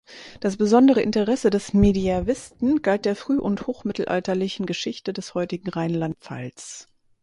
Das besondere Interesse des Mediävisten galt der früh- und hochmittelalterlichen Geschichte des heutigen Rheinland-Pfalz.